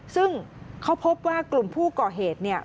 ซึ่งเขาพบว่ากลุ่มผู้ก่อเหตุ